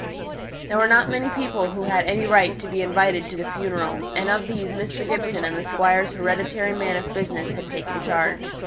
There were not many people who had any claim to be invited to the funeral, and of these Mr. Gibson and the Squire's hereditary man of business had taken charge.